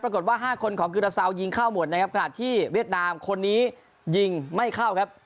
ปรากฏว่า๕คนของกิราเซายิงเข้าหมดนะครับขณะที่เวียดนามคนนี้ยิงไม่เข้าครับ